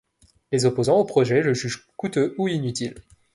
Les opposants au projet le jugent coûteux ou inutile.